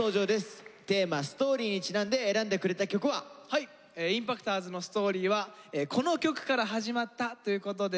はいＩＭＰＡＣＴｏｒｓのストーリーはこの曲から始まったということでですね